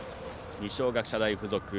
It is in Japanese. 二松学舎大付属